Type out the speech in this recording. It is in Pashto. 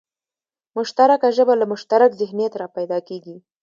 مشترکه ژبه له مشترک ذهنیت راپیدا کېږي